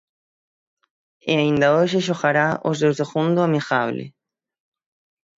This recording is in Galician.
E aínda hoxe xogará o seu segundo amigable.